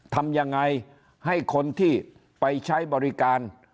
ทำยังไงให้คนที่ไปใช้บริการ